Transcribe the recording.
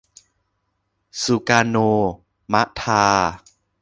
ซูการ์โน มะทา